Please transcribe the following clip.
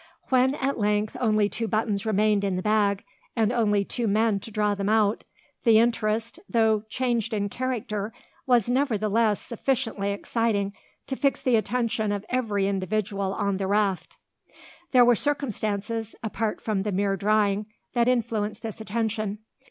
When, at length, only two buttons remained in the bag, and only two men to draw them out, the interest, though changed in character, was nevertheless sufficiently exciting to fix the attention of every individual on the raft. There were circumstances, apart from the mere drawing, that influenced this attention.